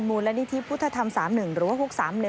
มูลนิธิพุทธธรรม๓๑หรือว่า๖๓๑